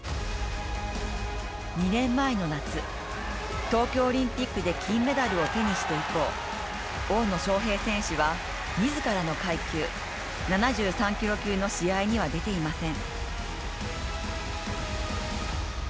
２年前の夏、東京オリンピックで金メダルを手にして以降、大野将平選手は自らの階級７３キロ級の試合には出ていません。